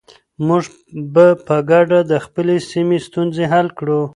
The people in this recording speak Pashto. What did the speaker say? موږ به په ګډه د خپلې سیمې ستونزې حل کړو.